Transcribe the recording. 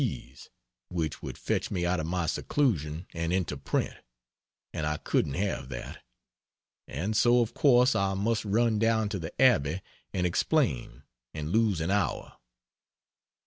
P.'s (which would fetch me out of my seclusion and into print, and I couldn't have that,) and so of course I must run down to the Abbey and explain and lose an hour.